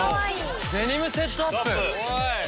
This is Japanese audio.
デニムセットアップ。